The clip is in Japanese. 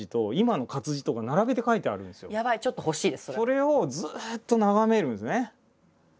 それをずっと眺めるんですね。